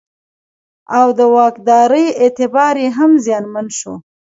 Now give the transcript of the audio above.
او د واکدارۍ اعتبار یې هم زیانمن شو.